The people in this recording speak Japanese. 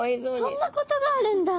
そんなことがあるんだ。